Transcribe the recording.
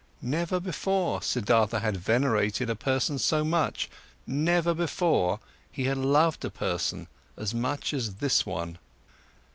Never before, Siddhartha had venerated a person so much, never before he had loved a person as much as this one.